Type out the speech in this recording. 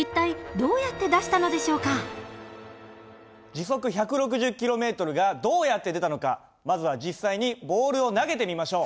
時速１６０ｋｍがどうやって出たのかまずは実際にボールを投げてみましょう。